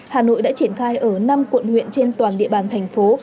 hà nội đã triển khai ở năm quận huyện trên toàn địa bàn thành phố